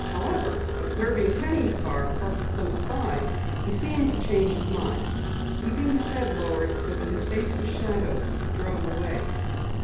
However, observing Penny's car parked close by, he seemed to change his mind. Keeping his head lowered so that his face was shadowed, he drove away.